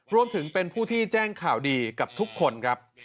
รวมถึงเป็นผู้ที่แจ้งข่าวดีกับทุกคนครับ